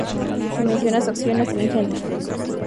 Se menciona su acción astringente.